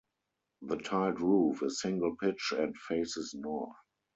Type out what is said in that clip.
The tiled roof is single pitch and faces north.